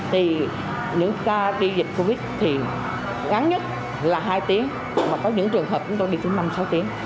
thì những ca đi dịch covid thì ngắn nhất là hai tiếng mà có những trường hợp chúng tôi đi xuống năm sáu tiếng